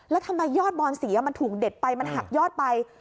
แล้วทำไมยอดบอนสีมันถูกเด็ดไปมันหักยอดไป